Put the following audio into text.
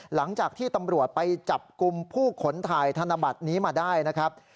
หลังจากที่ตำรวจไปจับกลุ่มผู้ขนถ่ายธนบัตรนี้มาได้นะครับ